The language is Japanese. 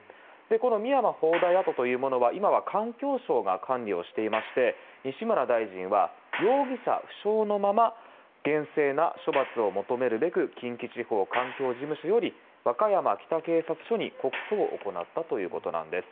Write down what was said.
この深山砲台跡というものは今は環境省が管理をしていまして西村大臣は容疑者不詳のまま厳正な処罰を求めるべく近畿地方環境事務所より和歌山北警察署に告訴を行ったということです。